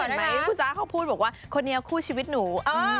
เห็นไหมคุณจ๊ะเขาพูดบอกว่าคนนี้คู่ชีวิตหนู